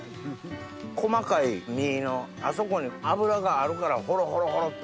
細かい身のあそこに脂があるからホロホロホロっと。